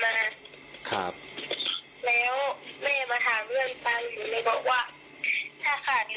แล้วหนูจะออกไปหาเงินให้อีกค่อนข้างก็งี้